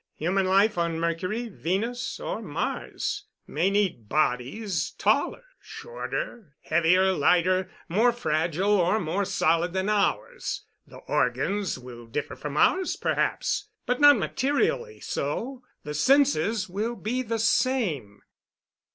Human life on Mercury, Venus or Mars may need bodies taller, shorter, heavier, lighter, more fragile or more solid than ours. The organs will differ from ours, perhaps, but not materially so. The senses will be the same.